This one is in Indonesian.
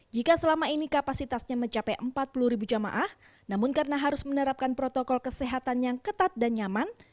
jika selama ini kapasitasnya mencapai empat puluh ribu jamaah namun karena harus menerapkan protokol kesehatan yang ketat dan nyaman